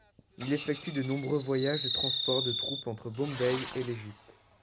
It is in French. Il effectue de nombreux voyages de transport de troupes entre Bombay et l'Égypte.